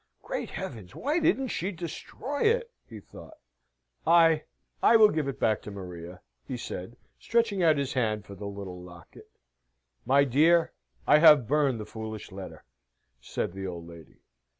"Great heavens! why didn't she destroy it?" he thought. "I I will give it back to Maria," he said, stretching out his hand for the little locket. "My dear, I have burned the foolish letter," said the old lady.